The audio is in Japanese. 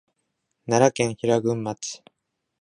奈良県平群町